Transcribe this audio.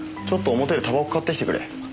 ちょっと表でタバコ買ってきてくれ。